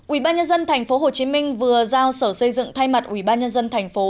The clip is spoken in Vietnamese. ủy ban nhân dân thành phố hồ chí minh vừa giao sở xây dựng thay mặt ủy ban nhân dân thành phố